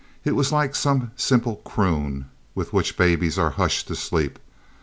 It was like some simple croon with which babies are hushed to sleep.